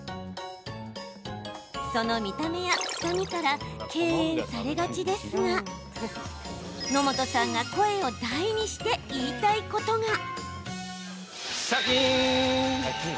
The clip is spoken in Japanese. その見た目や、くさみから敬遠されがちですが野本さんが声を大にして言いたいことが。